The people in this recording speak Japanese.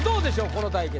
この対決。